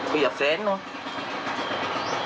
พี่อยากเซ็นต์เนาะ